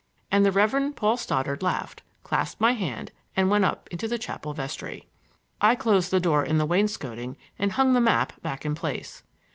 And the Reverend Paul Stoddard laughed, clasped my hand and went up into the chapel vestry. I closed the door in the wainscoting and hung the map back in place.